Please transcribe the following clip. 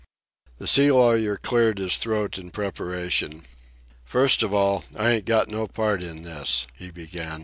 The sea lawyer cleared his throat in preparation. "First of all, I ain't got no part in this," he began.